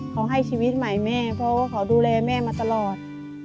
เขาให้ชีวิตใหม่แม่เพราะว่าเขาดูแลแม่มาตลอด